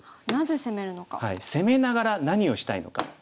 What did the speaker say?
攻めながら何をしたいのか。